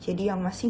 jadi yang masih